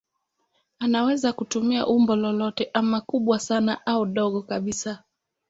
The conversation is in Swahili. Anaweza kutumia umbo lolote ama kubwa sana au dogo kabisa.